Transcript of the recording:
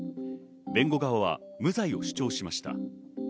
弁護側は無罪を主張しました。